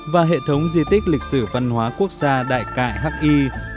và hệ thống di tích lịch sử văn hóa quốc gia đại cại h i